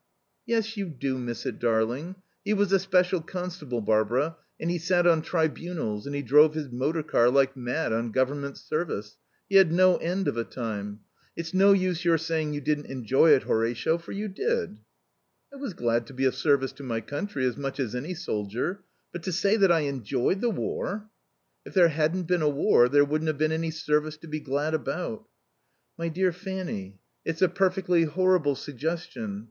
"Yes, you do miss it, darling. He was a special constable, Barbara; and he sat on tribunals; and he drove his motor car like mad on government service. He had no end of a time. It's no use your saying you didn't enjoy it, Horatio, for you did." "I was glad to be of service to my country as much as any soldier, but to say that I enjoyed the war " "If there hadn't been a war there wouldn't have been any service to be glad about." "My dear Fanny, it's a perfectly horrible suggestion.